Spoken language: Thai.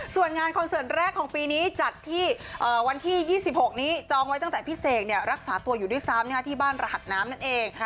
ส่วนงานคอนเสิร์ตแรกของปีนี้จัดที่วันที่๒๖นี้จองไว้ตั้งแต่พี่เสกรักษาตัวอยู่ด้วยซ้ำที่บ้านรหัสน้ำนั่นเอง